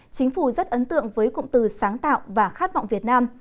chính phủ rất ấn tượng với cụm từ sáng tạo và khát vọng việt nam